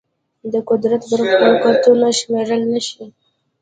د قدرت برکتونه شمېرل نهشي.